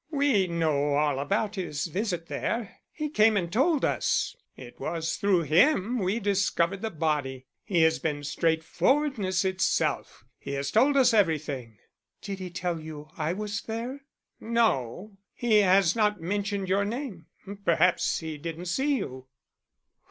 "We know all about his visit there. He came and told us it was through him that we discovered the body. He has been straightforwardness itself: he has told us everything." "Did he tell you I was there?" "No; he has not mentioned your name. Perhaps he didn't see you."